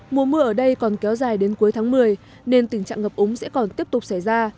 mùa mưa ở đây còn kéo dài đến cuối tháng một mươi nên tình trạng ngập úng sẽ còn tiếp tục xảy ra